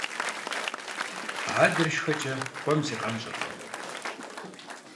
Адэр шхэкӀэ къуэм зигъэнщӀыркъым.